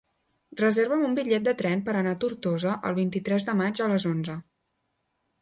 Reserva'm un bitllet de tren per anar a Tortosa el vint-i-tres de maig a les onze.